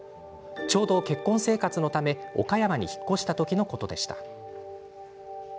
ちょうど、結婚生活のため岡山に引っ越した時のことでした。